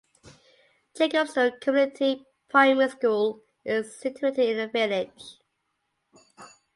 Jacobstow Community Primary School is situated in the village.